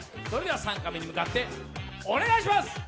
それでは３カメに向かってお願いします！